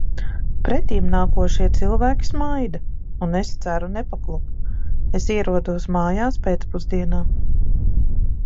Pretimnākošie cilvēki smaida, un es ceru nepaklupt. Es ierodos mājās pēcpusdienā.